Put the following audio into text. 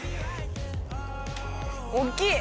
大きい！